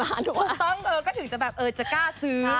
เออก็ถึงแบบจะกล้าซื้อ